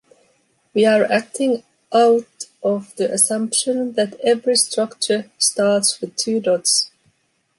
We are acting out of the assumption that every structure starts with two dots.